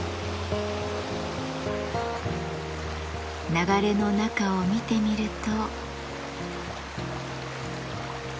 流れの中を見てみると。